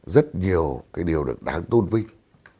rất nhiều cái điều được đáng tôn vinh